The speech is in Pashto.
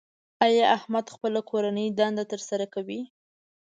ایا احمد خپله کورنۍ دنده تر سره کوي؟